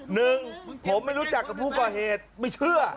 หนึ่งผมไม่รู้จักกับผู้ก่อเหตุไม่เชื่อ